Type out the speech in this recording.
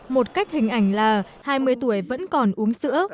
một cách hình ảnh là hai mươi tuổi vẫn còn uống sữa